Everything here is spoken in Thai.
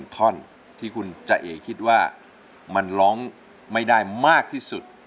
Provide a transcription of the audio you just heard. ท่อนที่คุณจะเอ๋คิดว่ามันร้องไม่ได้มากที่สุด